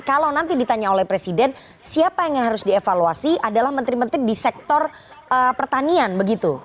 kalau nanti ditanya oleh presiden siapa yang harus dievaluasi adalah menteri menteri di sektor pertanian begitu